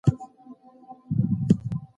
پخوانۍ جګړې تر اوسنيو جګړو بدې وې.